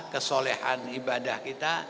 kesolehan ibadah kita